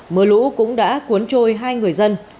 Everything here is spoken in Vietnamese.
mưa lũ cũng đã cuốn trôi hai người dân